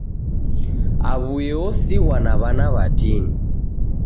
Aw'uye osighwa na w'ana w'atini.